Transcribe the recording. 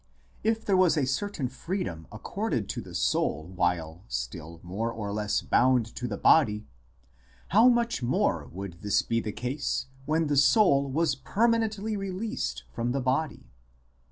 2 If there was a certain freedom accorded to the soul while still more or less bound to the body, how much more would this be the case when the soul was permanently released from the body.